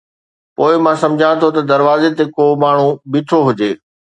پوءِ مان سمجهان ٿو ته دروازي تي ڪو ماڻهو بيٺو هجي